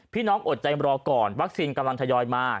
อดใจรอก่อนวัคซีนกำลังทยอยมา